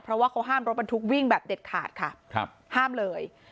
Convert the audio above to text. เพราะว่าเขาห้ามรถบรรทุกวิ่งแบบเด็ดขาดค่ะห้ามเลย